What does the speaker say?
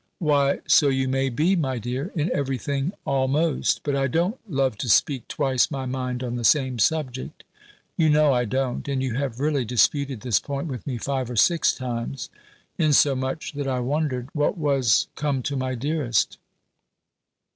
"Why, so you may be, my dear, in every thing almost. But I don't love to speak twice my mind on the same subject; you know I don't! and you have really disputed this point with me five or six times; insomuch, that I wondered what was come to my dearest."